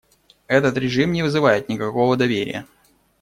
Этот режим не вызывает никакого доверия.